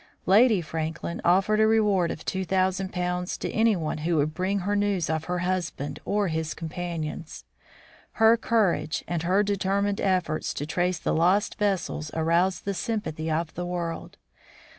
Lady Franklin offered a reward of .£2000 to any one who would bring her news of her husband or his com panions. Her courage and her determined efforts to trace the lost vessels aroused the sympathy of the world.